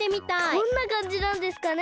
どんなかんじなんですかね。